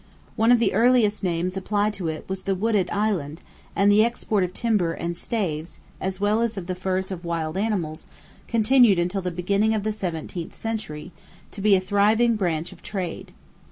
One of the earliest names applied to it was "the wooded Island," and the export of timber and staves, as well as of the furs of wild animals, continued, until the beginning of the seventeenth century, to be a thriving branch of trade.